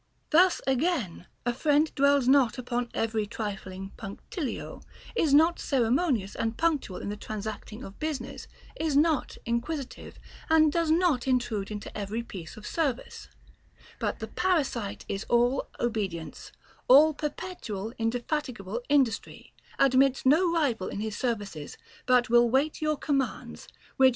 Thus again, a friend dwells not upon every trifling punctilio, is not ceremonious and punctual in the transacting of business, is not inquisitive, and does not intrude into every piece of service ; but the parasite is all obedience, all perpetual indefatigable industry, admits no rival in his services, but will wait your commands, which if * Eurip.